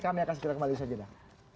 kami akan sekitar kembali saja dah